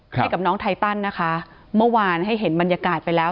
ให้กับน้องไทตันนะคะเมื่อวานให้เห็นบรรยากาศไปแล้ว